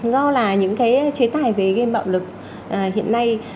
do là những cái chế tài về game bạo lực hiện nay